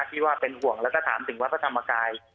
ที่ว่าเป็นห่วงแล้วก็ถามถึงวัดพระธรรมกาย